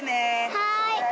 はい。